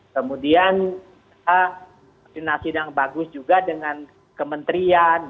kemudian koordinasi yang bagus juga dengan kementerian